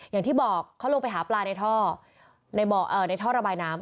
อย่างที่บอกเขาลงไปหาปลาในท่อในท่อระบายน้ำ